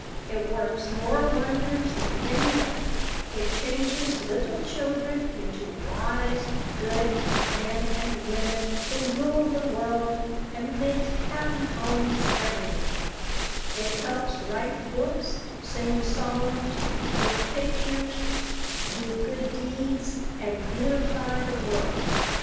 It works more wonders than any other: it changes little children into wise, good men and women, who rule the world, and make happy homes everywhere; it helps write books, sing songs, paint pictures, do good deeds, and beautify the world.